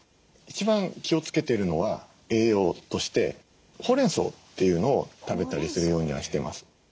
一番気をつけているのは栄養としてホウレンソウというのを食べたりするようにはしてます。